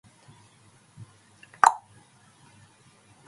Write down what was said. He also worked on geodesy.